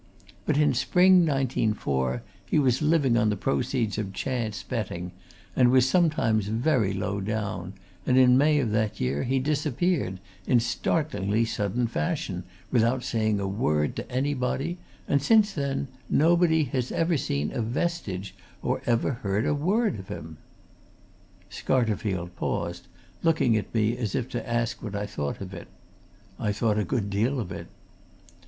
But in spring 1904 he was living on the proceeds of chance betting, and was sometimes very low down, and in May of that year he disappeared, in startlingly sudden fashion, without saying a word to anybody, and since then nobody has ever seen a vestige or ever heard a word of him." Scarterfield paused, looking at me as if to ask what I thought of it. I thought a good deal of it.